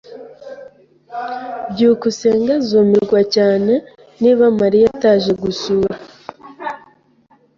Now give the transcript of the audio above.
byukusenge azumirwa cyane niba Mariya ataje gusura.